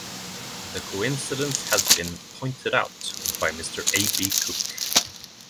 The coincidence has been pointed out by Mr. A. B. Cook.